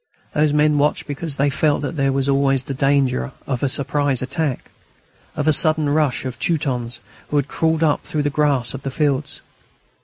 Those men watched because they felt that there was always the danger of a surprise attack, of a sudden rush of Teutons who had crawled up through the grass of the fields.